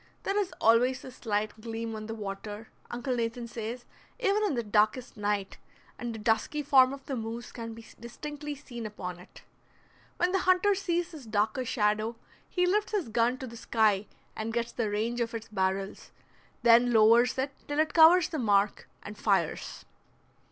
There is always a slight gleam on the water, Uncle Nathan says, even in the darkest night, and the dusky form of the moose can be distinctly seen upon it. When the hunter sees this darker shadow he lifts his gun to the sky and gets the range of its barrels, then lowers it till it covers the mark, and fires.